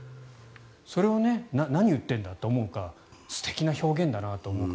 それを何言ってるんだ？と思うか素敵な表現だなと思うか。